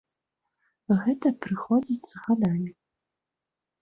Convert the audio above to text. Гэта прыходзіць з гадамі.